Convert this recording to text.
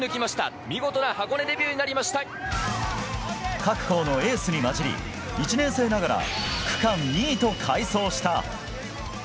各校のエースに交じり１年生ながら区間２位と快走した。